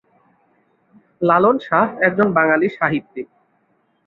লালন শাহ একজন বাঙালি সাহিত্যিক।